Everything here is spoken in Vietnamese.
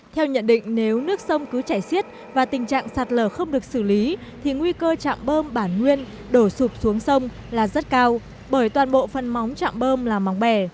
theo nhận định nếu nước sông cứ chảy xiết và tình trạng sạt lở không được xử lý thì nguy cơ chạm bơm bản nguyên đổ sụp xuống sông là rất cao bởi toàn bộ phần móng trạm bơm là mỏng bè